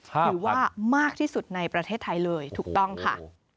ถือว่ามากที่สุดในประเทศไทยเลยถูกต้องค่ะ